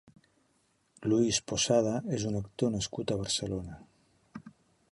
Luis Posada és un actor nascut a Barcelona.